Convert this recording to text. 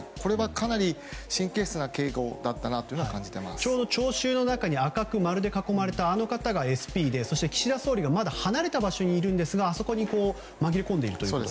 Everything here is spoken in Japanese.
かなり神経質な警護だったとちょうど聴衆の中に赤く丸で囲まれたあの方がＳＰでそして岸田総理がまだ離れた場所にいますがあそこに紛れ込んでいると。